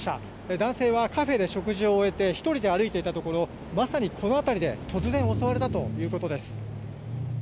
男性はカフェで食事を終えて１人で歩いていたところまさにこの辺りで突然襲われたということです。